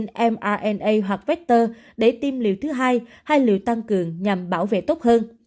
nên sử dụng vaccine mrna hoặc vector để tiêm liều thứ hai hay liều tăng cường nhằm bảo vệ tốt hơn